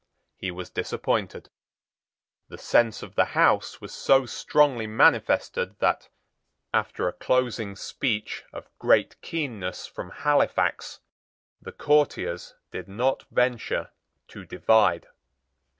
He was disappointed. The sense of the House was so strongly manifested that, after a closing speech, of great keenness, from Halifax, the courtiers did not venture to divide.